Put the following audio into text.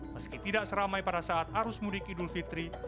meski tidak seramai pada saat arus mudik idul fitri